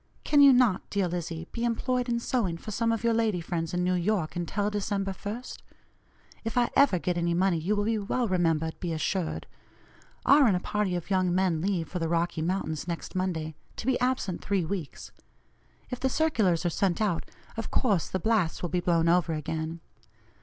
Can you not, dear Lizzie, be employed in sewing for some of your lady friends in New York until December 1st? If I ever get any money you will be well remembered, be assured. R. and a party of young men leave for the Rocky Mountains next Monday, to be absent three weeks. If the circulars are sent out, of course the blasts will be blown over again.